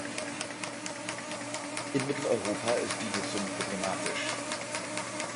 In Mitteleuropa ist die Nutzung problematisch.